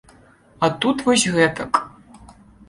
А тут вось гэтак.